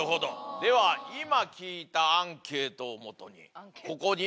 では今聞いたアンケートをもとにここに。